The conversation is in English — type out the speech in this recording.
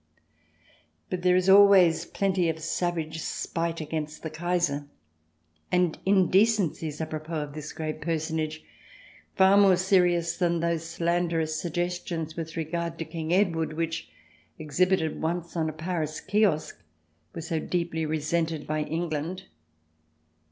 But there is always plenty of savage spite against the Kaiser, and indecencies a propos of this great personage far more serious than those slanderous suggestions with regard to King Edward which, exhibited once on a Paris Kiosk, were so deeply resented by England.